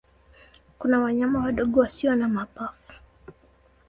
Kuna wanyama wadogo wasio na mapafu.